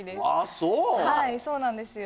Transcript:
そうはいそうなんですよ